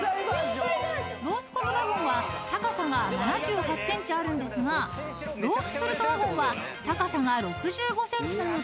［ロースコグワゴンは高さが７８ｃｍあるんですがロースフルトワゴンは高さが６５ｃｍなので］